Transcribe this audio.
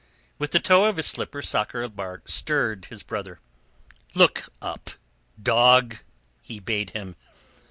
With the toe of his slipper Sakr el Bahr stirred his brother. "Look up, dog," he bade him.